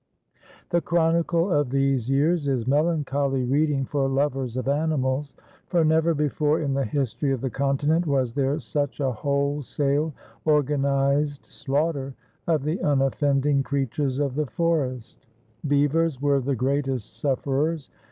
The chronicle of these years is melancholy reading for lovers of animals, for never before in the history of the continent was there such a wholesale, organized slaughter of the unoffending creatures of the forest. Beavers were the greatest sufferers.